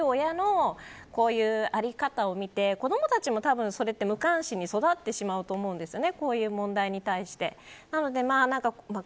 親のこういう在り方を見て子どもたちも、たぶんそれって無関心に育ってしまうと思うんですよね。